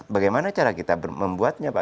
bagaimana cara kita membuatnya pak